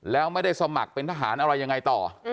แล้วไม่ได้สมัครเป็นทหารอะไรยังไงต่อ